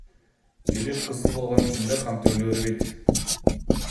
Желек кызыл болгон үчүн эле кан төгүлө бербейт.